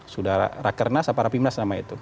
sudara rakerna sapara pimnas nama itu